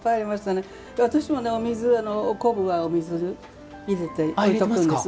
私もねお水昆布はお水を入れて置いておくんです。